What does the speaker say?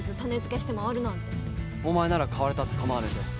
お前なら買われたって構わねえぜ。